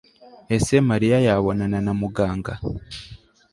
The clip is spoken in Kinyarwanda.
ese mariya yabonana na muganga